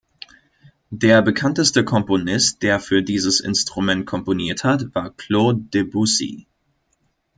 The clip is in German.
Der bekannteste Komponist, der für dieses Instrument komponiert hat, war Claude Debussy.